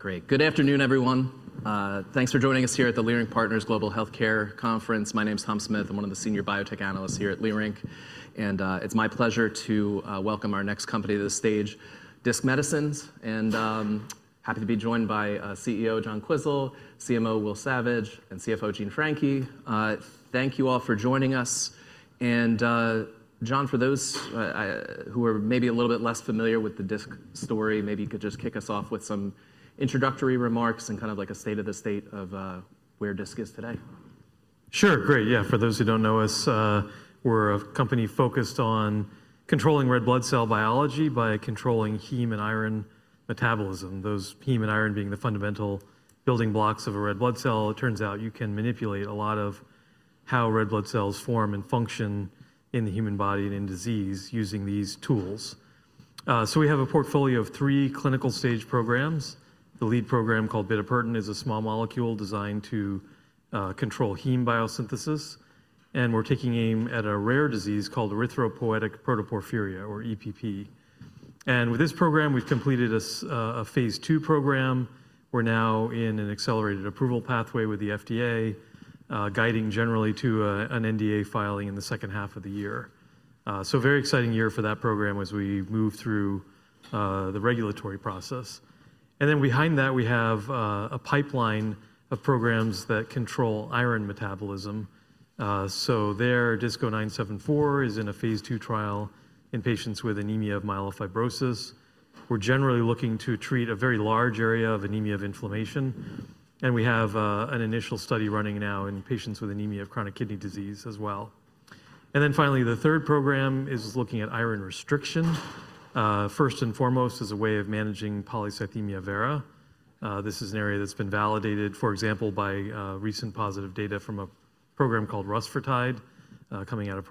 Great. Good afternoon, everyone. Thanks for joining us here at the Leerink Partners Global Healthcare Conference. My name's Tom Smith. I'm one of the senior biotech analysts here at Leerink. It's my pleasure to welcome our next company to the stage, Disc MediScenesse. I'm happy to be joined by CEO John Quisel, CMO Will Savage, and CFO Jean Franchi. Thank you all for joining us. John, for those who are maybe a little bit less familiar with the Disc story, maybe you could just kick us off with some introductory remarks and kind of like a state of the state of where Disc is today. Sure. Great. Yeah. For those who don't know us, we're a company focused on controlling red blood cell biology by controlling heme and iron metabolism, those heme and iron being the fundamental building blocks of a red blood cell. It turns out you can manipulate a lot of how red blood cells form and function in the human body and in disease using these tools. We have a portfolio of three clinical stage programs. The lead program called bitopertin is a small molecule designed to control heme biosynthesis. We're taking aim at a rare disease called erythropoietic protoporphyria, or EPP. With this program, we've completed a phase 2 program. We're now in an accelerated approval pathway with the FDA, guiding generally to an NDA filing in the second half of the year. A very exciting year for that program as we move through the regulatory process. Behind that, we have a pipeline of programs that control iron metabolism. There, DISC-0974 is in a phase 2 trial in patients with anemia of myelofibrosis. We're generally looking to treat a very large area of anemia of inflammation. We have an initial study running now in patients with anemia of chronic kidney disease as well. Finally, the third program is looking at iron restriction. First and foremost, as a way of managing polycythemia vera, this is an area that's been validated, for example, by recent positive data from a program called rusfertide, coming out of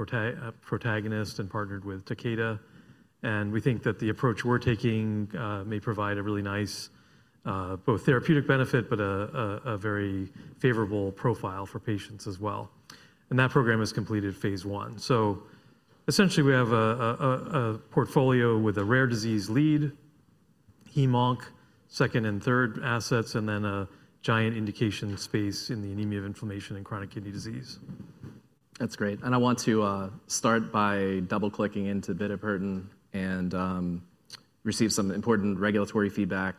Protagonist and partnered with Takeda. We think that the approach we're taking may provide a really nice both therapeutic benefit, but a very favorable profile for patients as well. That program has completed phase 1. Essentially, we have a portfolio with a rare disease lead, heme-onc, second and third assets, and then a giant indication space in the anemia of inflammation and chronic kidney disease. That's great. I want to start by double-clicking into bitopertin and received some important regulatory feedback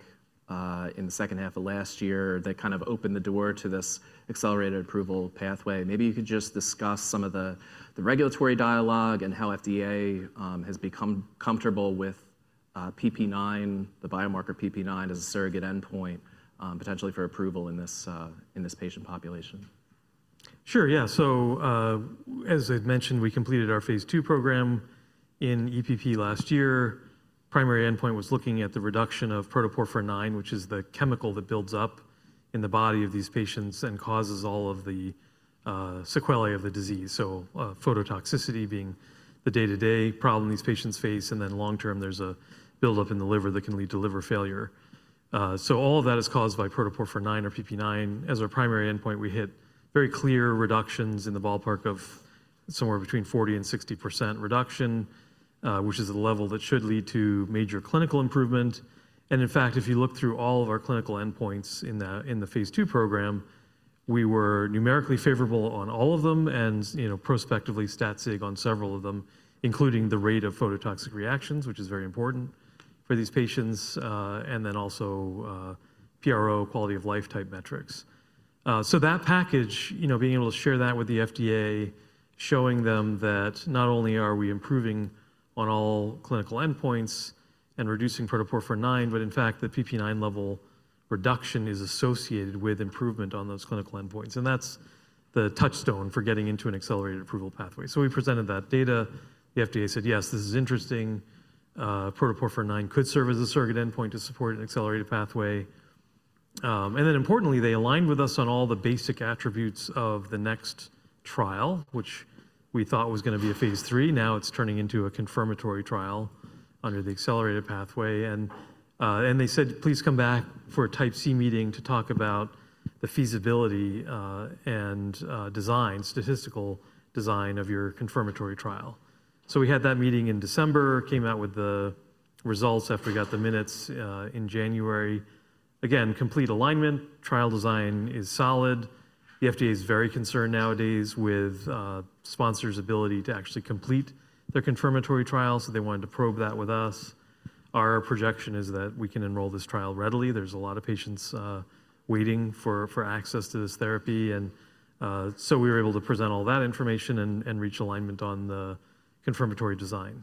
in the second half of last year that kind of opened the door to this accelerated approval pathway. Maybe you could just discuss some of the regulatory dialogue and how FDA has become comfortable with PPIX, the biomarker PPIX, as a surrogate endpoint potentially for approval in this patient population. Sure. Yeah. As I'd mentioned, we completed our phase 2 program in EPP last year. Primary endpoint was looking at the reduction of protoporphyrin IX, which is the chemical that builds up in the body of these patients and causes all of the sequelae of the disease. Phototoxicity being the day-to-day problem these patients face. Long term, there is a buildup in the liver that can lead to liver failure. All of that is caused by protoporphyrin IX or PPIX. As our primary endpoint, we hit very clear reductions in the ballpark of somewhere between 40% and 60% reduction, which is a level that should lead to major clinical improvement. In fact, if you look through all of our clinical endpoints in the phase 2 program, we were numerically favorable on all of them and prospectively stat-sig on several of them, including the rate of phototoxic reactions, which is very important for these patients, and then also PRO, quality of life type metrics. That package, being able to share that with the FDA, showing them that not only are we improving on all clinical endpoints and reducing protoporphyrin IX, but in fact, the PPIX level reduction is associated with improvement on those clinical endpoints. That is the touchstone for getting into an accelerated approval pathway. We presented that data. The FDA said, yes, this is interesting. Protoporphyrin IX could serve as a surrogate endpoint to support an accelerated pathway. Importantly, they aligned with us on all the basic attributes of the next trial, which we thought was going to be a phase 3. Now it is turning into a confirmatory trial under the accelerated pathway. They said, please come back for a Type C meeting to talk about the feasibility and design, statistical design of your confirmatory trial. We had that meeting in December, came out with the results after we got the minutes in January. Again, complete alignment. Trial design is solid. The FDA is very concerned nowadays with sponsors' ability to actually complete their confirmatory trial. They wanted to probe that with us. Our projection is that we can enroll this trial readily. There are a lot of patients waiting for access to this therapy. We were able to present all that information and reach alignment on the confirmatory design.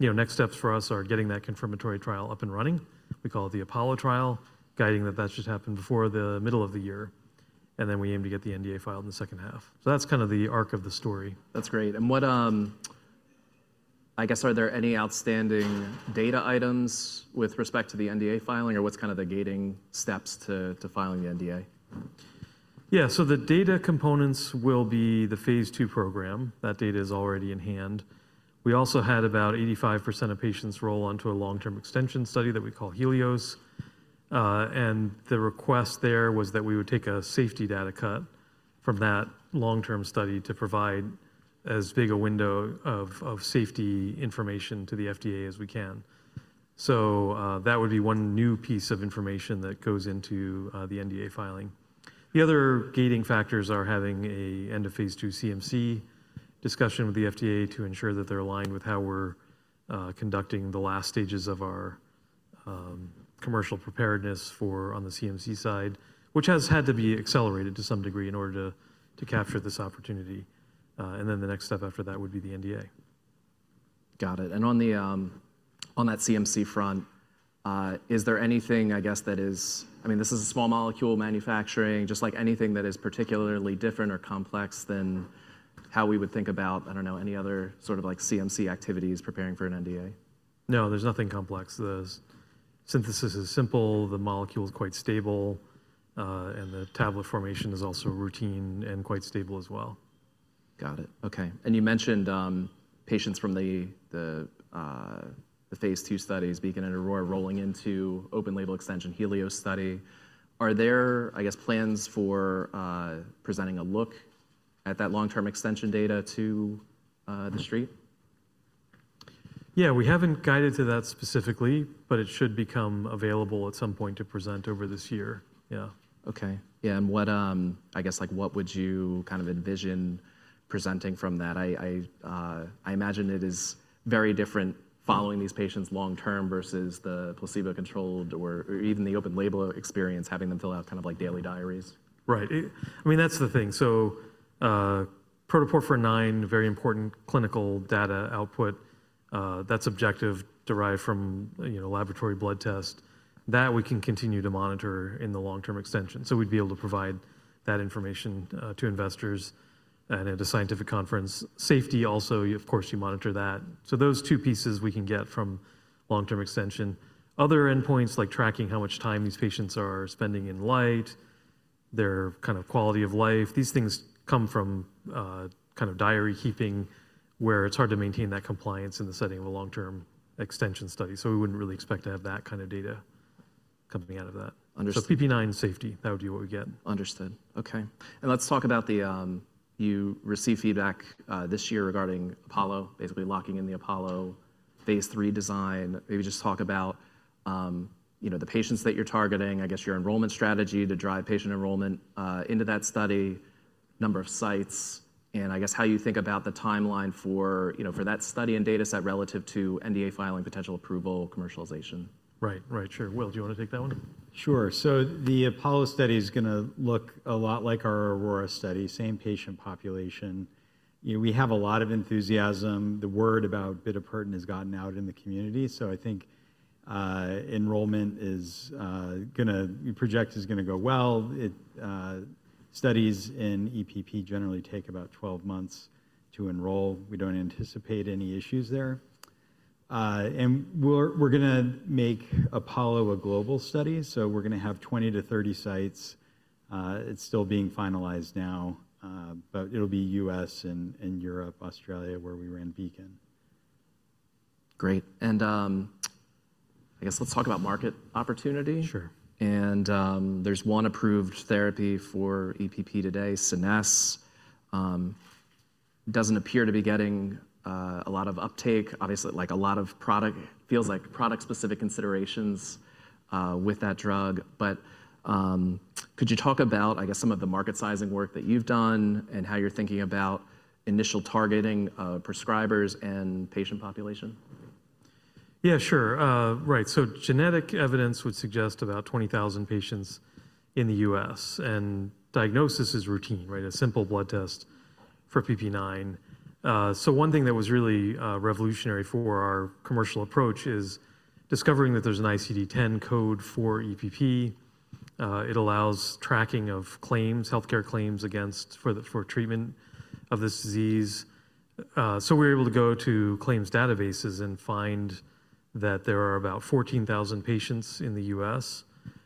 Next steps for us are getting that confirmatory trial up and running. We call it the Apollo trial, guiding that that should happen before the middle of the year. We aim to get the NDA filed in the second half. That's kind of the arc of the story. That's great. I guess, are there any outstanding data items with respect to the NDA filing or what's kind of the gating steps to filing the NDA? Yeah. The data components will be the phase 2 program. That data is already in hand. We also had about 85% of patients roll onto a long-term extension study that we call HELIOS. The request there was that we would take a safety data cut from that long-term study to provide as big a window of safety information to the FDA as we can. That would be one new piece of information that goes into the NDA filing. The other gating factors are having an end of phase 2 CMC discussion with the FDA to ensure that they're aligned with how we're conducting the last stages of our commercial preparedness on the CMC side, which has had to be accelerated to some degree in order to capture this opportunity. The next step after that would be the NDA. Got it. On that CMC front, is there anything, I guess, that is, I mean, this is a small molecule manufacturing, just like anything that is particularly different or complex than how we would think about, I don't know, any other sort of CMC activities preparing for an NDA? No, there's nothing complex. The synthesis is simple. The molecule is quite stable. The tablet formation is also routine and quite stable as well. Got it. OK. You mentioned patients from the phase 2 studies, BEACON and AURORA, rolling into open label extension HELIOS study. Are there, I guess, plans for presenting a look at that long-term extension data to the street? Yeah. We haven't guided to that specifically, but it should become available at some point to present over this year. Yeah. OK. Yeah. I guess, what would you kind of envision presenting from that? I imagine it is very different following these patients long term versus the placebo-controlled or even the open label experience, having them fill out kind of like daily diaries. Right. I mean, that's the thing. So protoporphyrin IX, very important clinical data output. That's objective, derived from laboratory blood test. That we can continue to monitor in the long-term extension. We'd be able to provide that information to investors and at a scientific conference. Safety also, of course, you monitor that. Those two pieces we can get from long-term extension. Other endpoints like tracking how much time these patients are spending in light, their kind of quality of life, these things come from kind of diary keeping where it's hard to maintain that compliance in the setting of a long-term extension study. We wouldn't really expect to have that kind of data coming out of that. PPIX, safety, that would be what we get. Understood. OK. Let's talk about the, you receive feedback this year regarding Apollo, basically locking in the Apollo phase 3 design. Maybe just talk about the patients that you're targeting, I guess your enrollment strategy to drive patient enrollment into that study, number of sites, and I guess how you think about the timeline for that study and data set relative to NDA filing, potential approval, commercialization. Right. Right. Sure. Will, do you want to take that one? Sure. The Apollo study is going to look a lot like our AURORA study, same patient population. We have a lot of enthusiasm. The word about bitopertin has gotten out in the community. I think enrollment is going to, we project is going to go well. Studies in EPP generally take about 12 months to enroll. We do not anticipate any issues there. We are going to make Apollo a global study. We are going to have 20-30 sites. It is still being finalized now, but it will be U.S. and Europe, Australia, where we ran BEACON. Great. I guess let's talk about market opportunity. Sure. There is one approved therapy for EPP today, Scenesse. Does not appear to be getting a lot of uptake, obviously, like a lot of product, feels like product-specific considerations with that drug. Could you talk about, I guess, some of the market sizing work that you have done and how you are thinking about initial targeting of prescribers and patient population? Yeah, sure. Right. Genetic evidence would suggest about 20,000 patients in the U.S. Diagnosis is routine, right? A simple blood test for PPIX. One thing that was really revolutionary for our commercial approach is discovering that there's an ICD-10 code for EPP. It allows tracking of claims, health care claims for treatment of this disease. We're able to go to claims databases and find that there are about 14,000 patients in the U.S.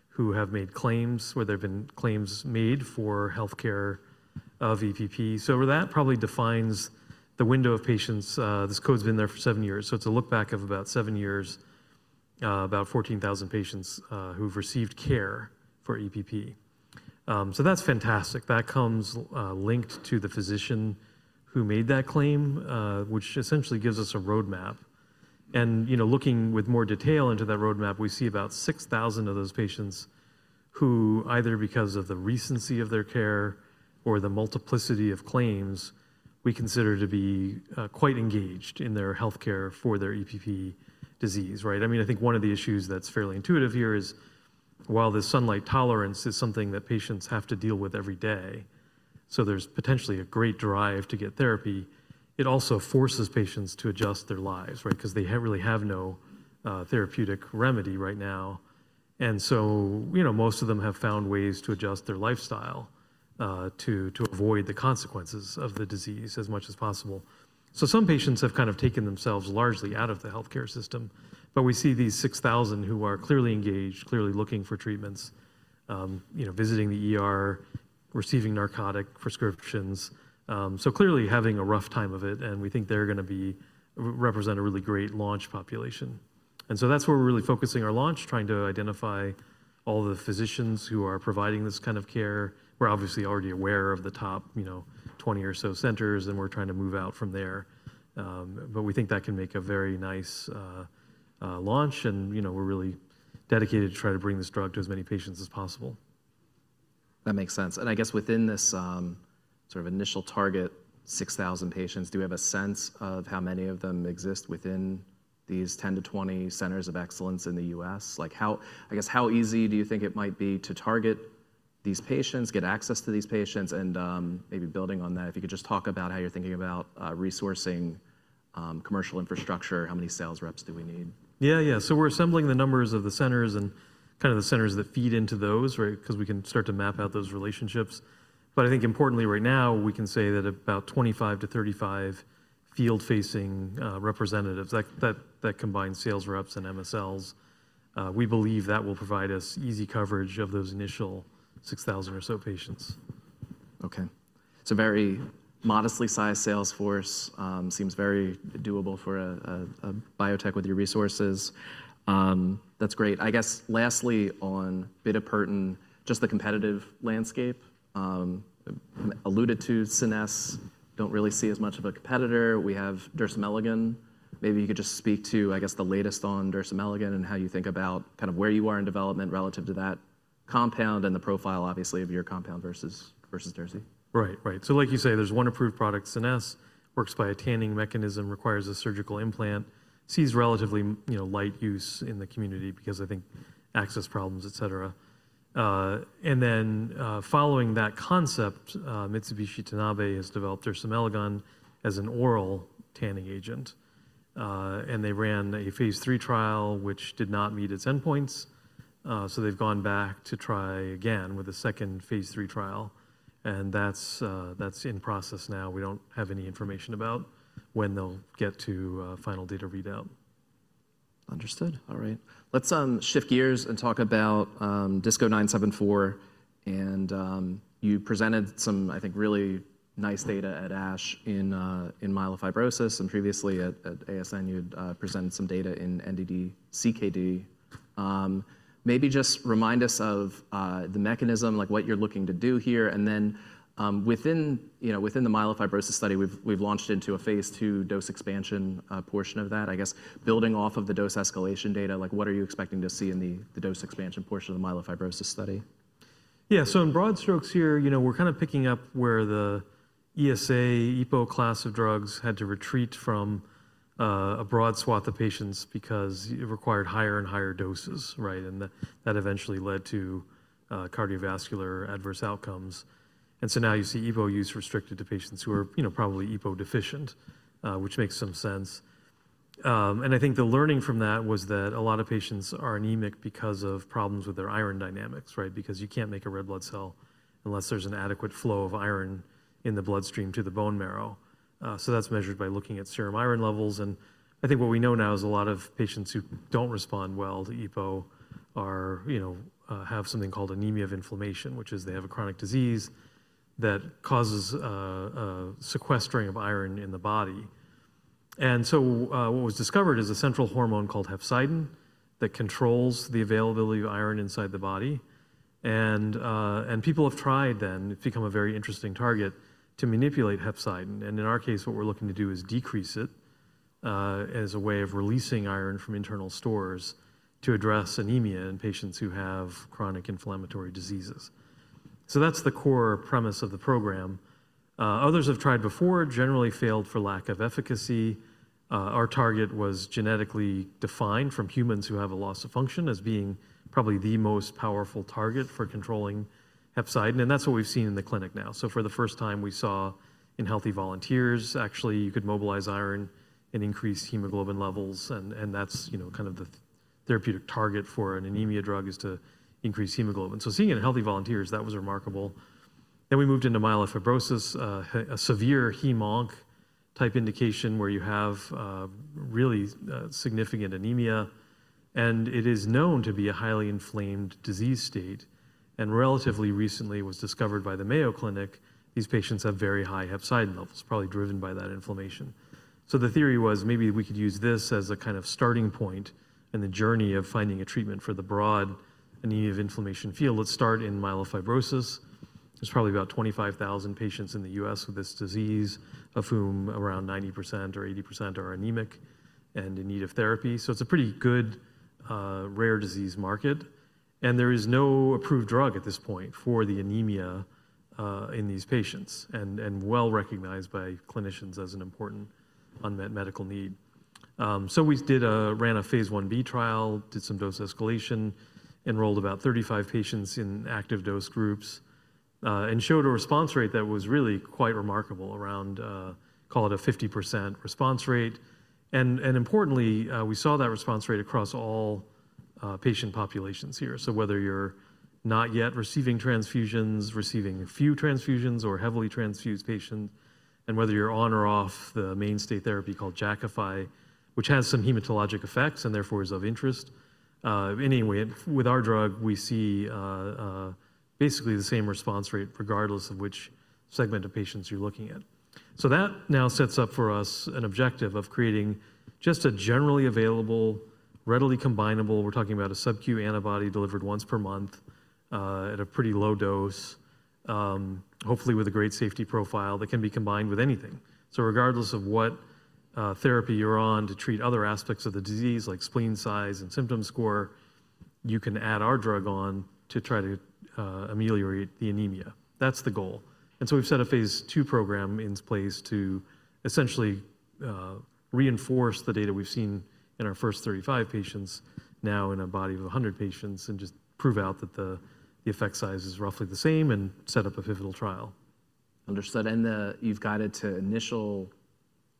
who have made claims where there have been claims made for health care of EPP. That probably defines the window of patients. This code's been there for seven years. It's a look back of about seven years, about 14,000 patients who've received care for EPP. That's fantastic. That comes linked to the physician who made that claim, which essentially gives us a roadmap. Looking with more detail into that roadmap, we see about 6,000 of those patients who either because of the recency of their care or the multiplicity of claims, we consider to be quite engaged in their health care for their EPP disease, right? I mean, I think one of the issues that's fairly intuitive here is while this sunlight tolerance is something that patients have to deal with every day, so there's potentially a great drive to get therapy, it also forces patients to adjust their lives, right? Because they really have no therapeutic remedy right now. Most of them have found ways to adjust their lifestyle to avoid the consequences of the disease as much as possible. Some patients have kind of taken themselves largely out of the health care system. We see these 6,000 who are clearly engaged, clearly looking for treatments, visiting the receiving narcotic prescriptions. Clearly having a rough time of it. We think they're going to represent a really great launch population. That is where we're really focusing our launch, trying to identify all the physicians who are providing this kind of care. We're obviously already aware of the top 20 or so centers, and we're trying to move out from there. We think that can make a very nice launch. We're really dedicated to try to bring this drug to as many patients as possible. That makes sense. I guess within this sort of initial target, 6,000 patients, do you have a sense of how many of them exist within these 10-20 centers of excellence in the U.S.? I guess how easy do you think it might be to target these patients, get access to these patients? Maybe building on that, if you could just talk about how you're thinking about resourcing commercial infrastructure, how many sales reps do we need? Yeah, yeah. We're assembling the numbers of the centers and kind of the centers that feed into those, right? Because we can start to map out those relationships. I think importantly right now, we can say that about 25-35 field-facing representatives that combine sales reps and MSLs. We believe that will provide us easy coverage of those initial 6,000 or so patients. OK. It's a very modestly sized sales force. Seems very doable for a biotech with your resources. That's great. I guess lastly on bitopertin, just the competitive landscape. Alluded to Scenesse, don't really see as much of a competitor. We have dersimelagon. Maybe you could just speak to, I guess, the latest on dersimelagon and how you think about kind of where you are in development relative to that compound and the profile, obviously, of your compound versus dersimelagon. Right, right. Like you say, there's one approved product, Scenesse, works by a tanning mechanism, requires a surgical implant, sees relatively light use in the community because I think access problems, et cetera. Following that concept, Mitsubishi Tanabe has developed dersimelagon as an oral tanning agent. They ran a phase 3 trial, which did not meet its endpoints. They've gone back to try again with a second phase 3 trial. That's in process now. We don't have any information about when they'll get to final data readout. Understood. All right. Let's shift gears and talk about DISC-0974. You presented some, I think, really nice data at ASH in myelofibrosis. Previously at ASN, you had presented some data in NDD CKD. Maybe just remind us of the mechanism, like what you're looking to do here. Within the myelofibrosis study, we've launched into a phase 2 dose expansion portion of that. I guess building off of the dose escalation data, like what are you expecting to see in the dose expansion portion of the myelofibrosis study? Yeah. In broad strokes here, we're kind of picking up where the ESA EPO class of drugs had to retreat from a broad swath of patients because it required higher and higher doses, right? That eventually led to cardiovascular adverse outcomes. Now you see EPO use restricted to patients who are probably EPO deficient, which makes some sense. I think the learning from that was that a lot of patients are anemic because of problems with their iron dynamics, right? You can't make a red blood cell unless there's an adequate flow of iron in the bloodstream to the bone marrow. That's measured by looking at serum iron levels. I think what we know now is a lot of patients who don't respond well to EPO have something called anemia of inflammation, which is they have a chronic disease that causes sequestering of iron in the body. What was discovered is a central hormone called hepcidin that controls the availability of iron inside the body. People have tried then, it's become a very interesting target, to manipulate hepcidin. In our case, what we're looking to do is decrease it as a way of releasing iron from internal stores to address anemia in patients who have chronic inflammatory diseases. That's the core premise of the program. Others have tried before, generally failed for lack of efficacy. Our target was genetically defined from humans who have a loss of function as being probably the most powerful target for controlling hepcidin. That is what we have seen in the clinic now. For the first time, we saw in healthy volunteers, actually, you could mobilize iron and increase hemoglobin levels. That is kind of the therapeutic target for an anemia drug, to increase hemoglobin. Seeing it in healthy volunteers, that was remarkable. We moved into myelofibrosis, a severe hem-onc type indication where you have really significant anemia. It is known to be a highly inflamed disease state. Relatively recently, it was discovered by the Mayo Clinic that these patients have very high hepcidin levels, probably driven by that inflammation. The theory was maybe we could use this as a kind of starting point in the journey of finding a treatment for the broad anemia of inflammation field. Let us start in myelofibrosis. There's probably about 25,000 patients in the U.S. with this disease, of whom around 90% or 80% are anemic and in need of therapy. It is a pretty good rare disease market. There is no approved drug at this point for the anemia in these patients and well recognized by clinicians as an important unmet medical need. We did a ran a phase 1 B trial, did some dose escalation, enrolled about 35 patients in active dose groups, and showed a response rate that was really quite remarkable, around, call it a 50% response rate. Importantly, we saw that response rate across all patient populations here. Whether you're not yet receiving transfusions, receiving a few transfusions, or heavily transfused patients, and whether you're on or off the mainstay therapy called Jakafi, which has some hematologic effects and therefore is of interest. Anyway, with our drug, we see basically the same response rate regardless of which segment of patients you're looking at. That now sets up for us an objective of creating just a generally available, readily combinable, we're talking about a subQ antibody delivered once per month at a pretty low dose, hopefully with a great safety profile that can be combined with anything. Regardless of what therapy you're on to treat other aspects of the disease, like spleen size and symptom score, you can add our drug on to try to ameliorate the anemia. That's the goal. We have set a phase 2 program in place to essentially reinforce the data we've seen in our first 35 patients, now in a body of 100 patients, and just prove out that the effect size is roughly the same and set up a pivotal trial. Understood. You have guided to initial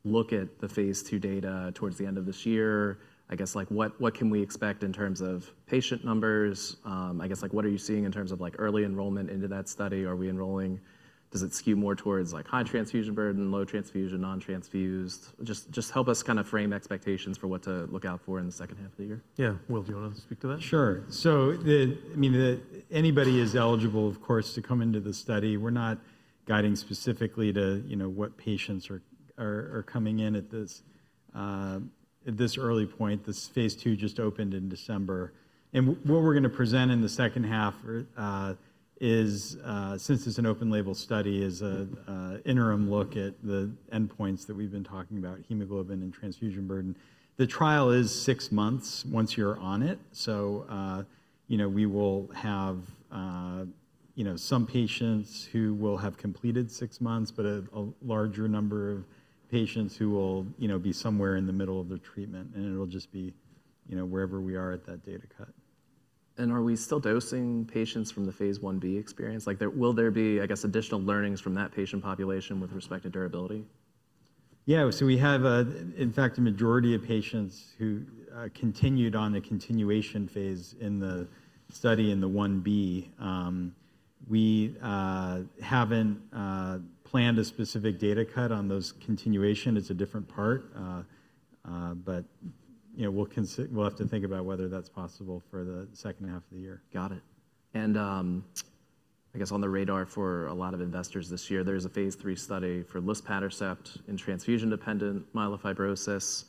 look at the phase 2 data towards the end of this year. I guess what can we expect in terms of patient numbers? I guess what are you seeing in terms of early enrollment into that study? Are we enrolling? Does it skew more towards high transfusion burden, low transfusion, non-transfused? Just help us kind of frame expectations for what to look out for in the second half of the year. Yeah. Will, do you want to speak to that? Sure. I mean, anybody is eligible, of course, to come into the study. We're not guiding specifically to what patients are coming in at this early point. This phase 2 just opened in December. What we're going to present in the second half is, since it's an open label study, an interim look at the endpoints that we've been talking about, hemoglobin and transfusion burden. The trial is six months once you're on it. We will have some patients who will have completed six months, but a larger number of patients who will be somewhere in the middle of their treatment. It'll just be wherever we are at that data cut. Are we still dosing patients from the phase 1 B experience? Will there be, I guess, additional learnings from that patient population with respect to durability? Yeah. We have, in fact, a majority of patients who continued on the continuation phase in the study in the 1B. We have not planned a specific data cut on those continuation. It is a different part. We will have to think about whether that is possible for the second half of the year. Got it. I guess on the radar for a lot of investors this year, there's a phase 3 study for luspatercept in transfusion-dependent myelofibrosis.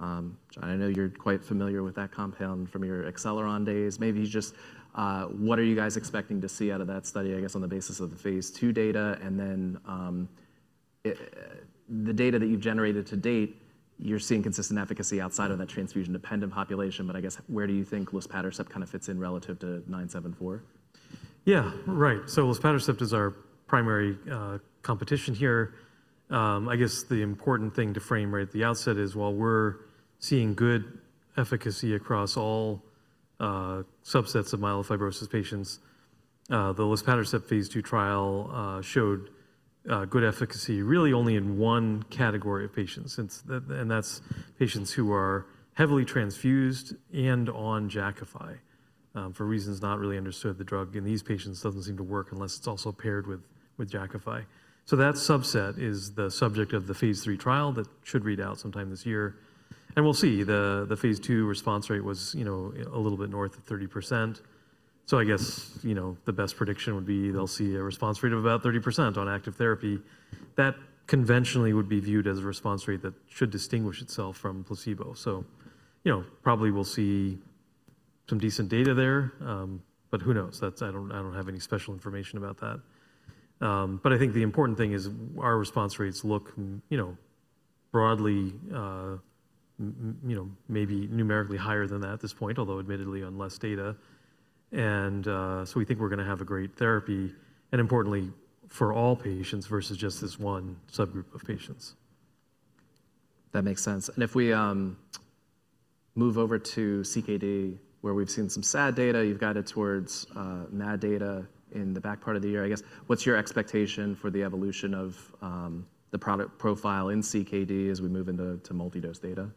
I know you're quite familiar with that compound from your Acceleron days. Maybe just what are you guys expecting to see out of that study, I guess, on the basis of the phase 2 data? The data that you've generated to date, you're seeing consistent efficacy outside of that transfusion-dependent population. I guess where do you think luspatercept kind of fits in relative to 974? Yeah, right. Luspatercept is our primary competition here. I guess the important thing to frame right at the outset is while we're seeing good efficacy across all subsets of myelofibrosis patients, the Luspatercept phase 2 trial showed good efficacy really only in one category of patients. That's patients who are heavily transfused and on Jakafi for reasons not really understood, the drug. These patients don't seem to work unless it's also paired with Jakafi. That subset is the subject of the phase 3 trial that should read out sometime this year. We'll see. The phase 2 response rate was a little bit north of 30%. I guess the best prediction would be they'll see a response rate of about 30% on active therapy. That conventionally would be viewed as a response rate that should distinguish itself from placebo. Probably we'll see some decent data there. Who knows? I don't have any special information about that. I think the important thing is our response rates look broadly, maybe numerically higher than that at this point, although admittedly on less data. We think we're going to have a great therapy, and importantly, for all patients versus just this one subgroup of patients. That makes sense. If we move over to CKD, where we've seen some SAD data, you've guided towards MAD data in the back part of the year. I guess what's your expectation for the evolution of the product profile in CKD as we move into multidose data?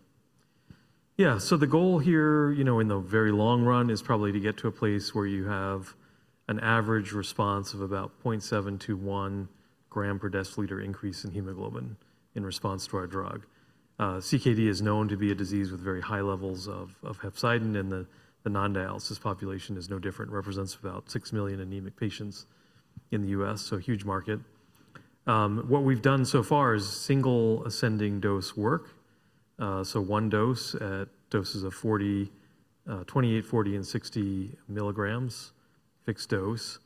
Yeah. The goal here in the very long run is probably to get to a place where you have an average response of about 0.721 g/dL increase in hemoglobin in response to our drug. CKD is known to be a disease with very high levels of hepcidin. The non-dialysis population is no different. It represents about 6 million anemic patients in the U.S., so a huge market. What we've done so far is single ascending dose work. One dose at doses of 28, 40, and 60 mg, fixed dose,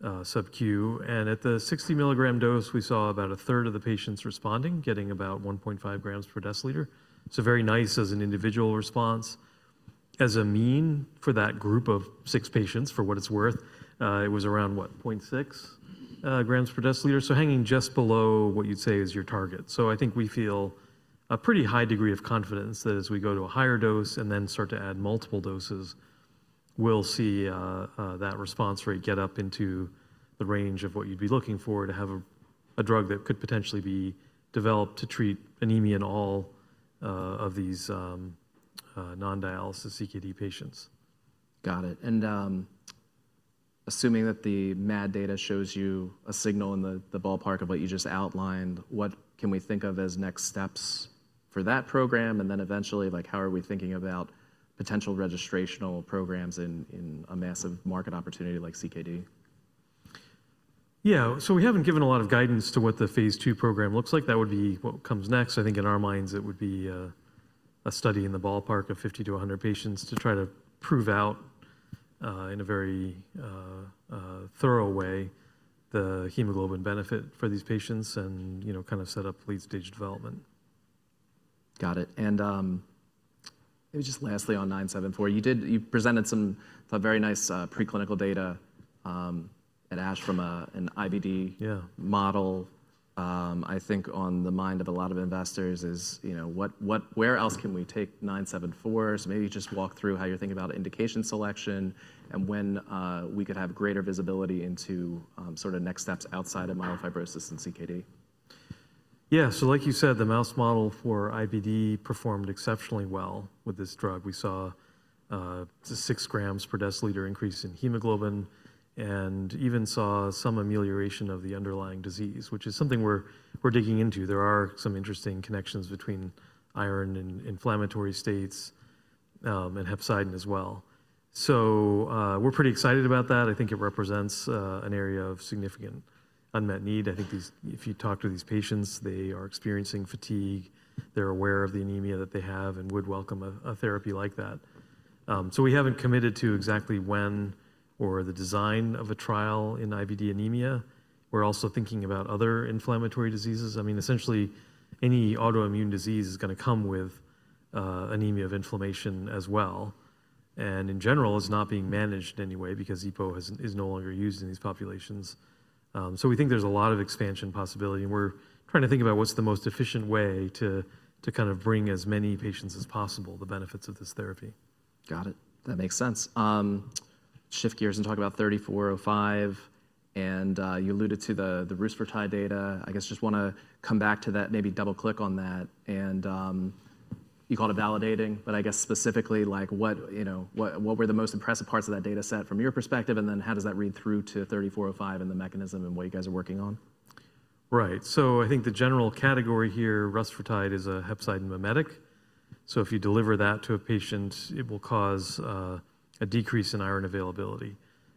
subQ. At the 60 mg dose, we saw about 1/3 of the patients responding, getting about 1.5 g/dL. It's very nice as an individual response. As a mean for that group of six patients, for what it's worth, it was around what, 0.6 g/dL? Hanging just below what you'd say is your target. I think we feel a pretty high degree of confidence that as we go to a higher dose and then start to add multiple doses, we'll see that response rate get up into the range of what you'd be looking for to have a drug that could potentially be developed to treat anemia in all of these non-dialysis CKD patients. Got it. Assuming that the MAD data shows you a signal in the ballpark of what you just outlined, what can we think of as next steps for that program? Eventually, how are we thinking about potential registrational programs in a massive market opportunity like CKD? Yeah. We haven't given a lot of guidance to what the phase 2 program looks like. That would be what comes next. I think in our minds, it would be a study in the ballpark of 50-100 patients to try to prove out in a very thorough way the hemoglobin benefit for these patients and kind of set up late stage development. Got it. Maybe just lastly on 974, you presented some very nice preclinical data at Ash from an IBD model. I think on the mind of a lot of investors is where else can we take 974? Maybe just walk through how you're thinking about indication selection and when we could have greater visibility into sort of next steps outside of myelofibrosis and CKD. Yeah. Like you said, the mouse model for IBD performed exceptionally well with this drug. We saw a 6 grams per deciliter increase in hemoglobin and even saw some amelioration of the underlying disease, which is something we're digging into. There are some interesting connections between iron and inflammatory states and hepcidin as well. We're pretty excited about that. I think it represents an area of significant unmet need. I think if you talk to these patients, they are experiencing fatigue. They're aware of the anemia that they have and would welcome a therapy like that. We haven't committed to exactly when or the design of a trial in IBD anemia. We're also thinking about other inflammatory diseases. I mean, essentially, any autoimmune disease is going to come with anemia of inflammation as well. In general, it's not being managed anyway because EPO is no longer used in these populations. We think there's a lot of expansion possibility. We're trying to think about what's the most efficient way to kind of bring as many patients as possible the benefits of this therapy. Got it. That makes sense. Shift gears and talk about 3405. You alluded to the rusfertide data. I guess just want to come back to that, maybe double-click on that. You called it validating, but I guess specifically, what were the most impressive parts of that data set from your perspective? How does that read through to 3405 and the mechanism and what you guys are working on? Right. I think the general category here, rusfertide is a hepcidin mimetic. If you deliver that to a patient, it will cause a decrease in iron availability.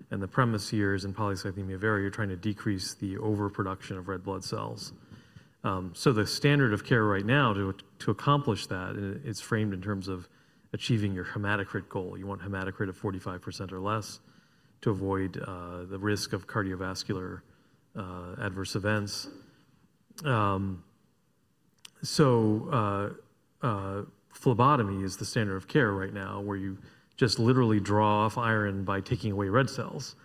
The premise here is in polycythemia vera, you're trying to decrease the overproduction of red blood cells. The standard of care right now to accomplish that, it's framed in terms of achieving your hematocrit goal. You want hematocrit of 45% or less to avoid the risk of cardiovascular adverse events. Phlebotomy is the standard of care right now, where you just literally draw off iron by taking away red cells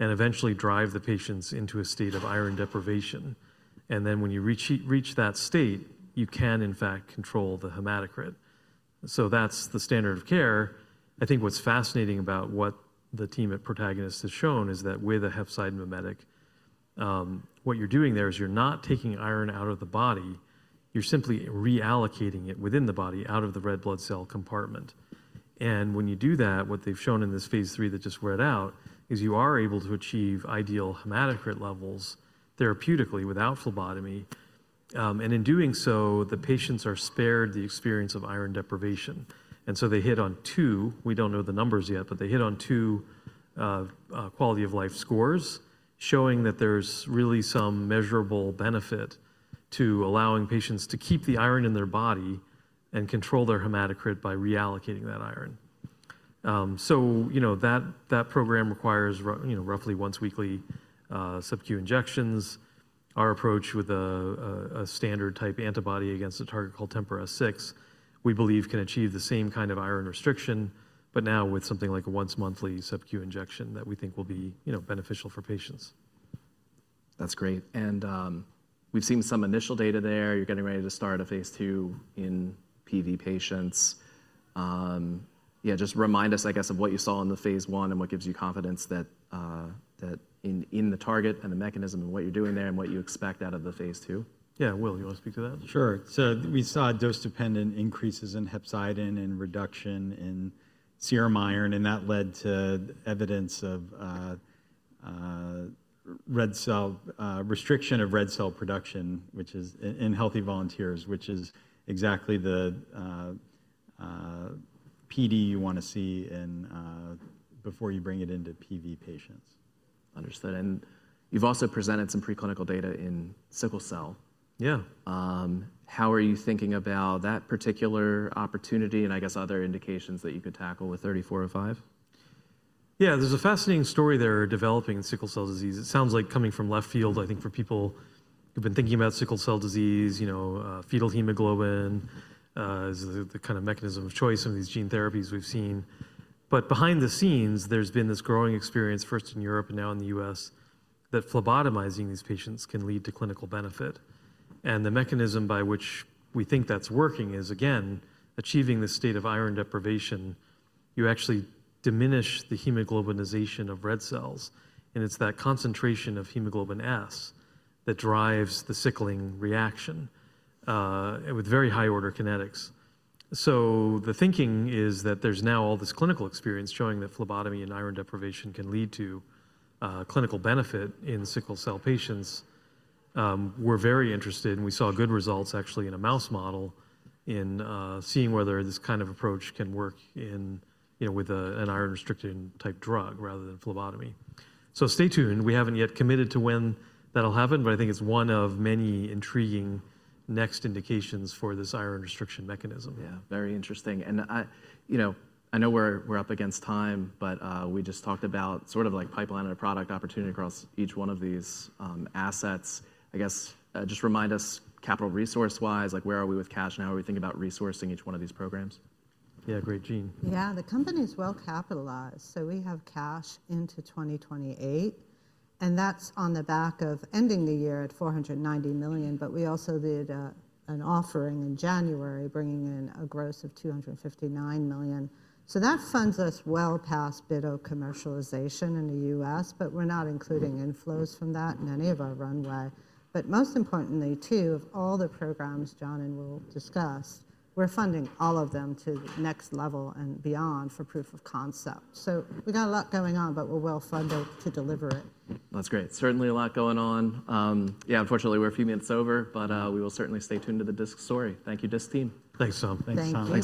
and eventually drive the patients into a state of iron deprivation. When you reach that state, you can in fact control the hematocrit. That's the standard of care. I think what's fascinating about what the team at Protagonist has shown is that with a hepcidin mimetic, what you're doing there is you're not taking iron out of the body. You're simply reallocating it within the body out of the red blood cell compartment. When you do that, what they've shown in this phase 3 that just read out is you are able to achieve ideal hematocrit levels therapeutically without phlebotomy. In doing so, the patients are spared the experience of iron deprivation. They hit on two. We don't know the numbers yet, but they hit on two quality of life scores showing that there's really some measurable benefit to allowing patients to keep the iron in their body and control their hematocrit by reallocating that iron. That program requires roughly once weekly subQ injections. Our approach with a standard type antibody against a target called TMPRSS6, we believe can achieve the same kind of iron restriction, but now with something like a once monthly subQ injection that we think will be beneficial for patients. That's great. We've seen some initial data there. You're getting ready to start a phase 2 in PD patients. Yeah, just remind us, I guess, of what you saw in the phase 1 and what gives you confidence in the target and the mechanism and what you're doing there and what you expect out of the phase 2. Yeah, Will, you want to speak to that? Sure. We saw dose-dependent increases in hepcidin and reduction in serum iron. That led to evidence of restriction of red cell production in healthy volunteers, which is exactly the PD you want to see before you bring it into PD patients. Understood. You have also presented some preclinical data in sickle cell. Yeah. How are you thinking about that particular opportunity and I guess other indications that you could tackle with 3405? Yeah, there's a fascinating story they're developing in sickle cell disease. It sounds like coming from left field. I think for people who've been thinking about sickle cell disease, fetal hemoglobin is the kind of mechanism of choice, some of these gene therapies we've seen. Behind the scenes, there's been this growing experience first in Europe and now in the U.S. that phlebotomizing these patients can lead to clinical benefit. The mechanism by which we think that's working is, again, achieving this state of iron deprivation. You actually diminish the hemoglobinization of red cells. It's that concentration of hemoglobin S that drives the sickling reaction with very high order kinetics. The thinking is that there's now all this clinical experience showing that phlebotomy and iron deprivation can lead to clinical benefit in sickle cell patients. We're very interested. We saw good results actually in a mouse model in seeing whether this kind of approach can work with an iron-restricting type drug rather than phlebotomy. Stay tuned. We haven't yet committed to when that'll happen, but I think it's one of many intriguing next indications for this iron restriction mechanism. Yeah, very interesting. I know we're up against time, but we just talked about sort of like pipeline and a product opportunity across each one of these assets. I guess just remind us capital resource-wise, like where are we with cash now? Are we thinking about resourcing each one of these programs? Yeah, great, Jean. Yeah, the company is well capitalized. We have cash into 2028. That's on the back of ending the year at $490 million. We also did an offering in January bringing in a gross of $259 million. That funds us well past bitopertin commercialization in the U.S., but we're not including inflows from that in any of our runway. Most importantly, of all the programs John and Will discussed, we're funding all of them to the next level and beyond for proof of concept. We got a lot going on, but we're well funded to deliver it. That's great. Certainly a lot going on. Yeah, unfortunately, we're a few minutes over, but we will certainly stay tuned to the Disc story. Thank you, Disc team. Thanks, Tom. Thanks, Tom.